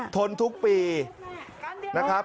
ทนทุกปีนะครับ